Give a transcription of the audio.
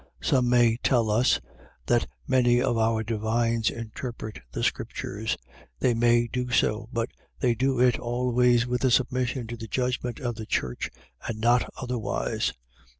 Some may tell us, that many of our divines interpret the scriptures: they may do so, but they do it always with a submission to the judgment of the Church, and not otherwise.